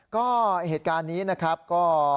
ก็เหตุการณ์นี้นะครับก็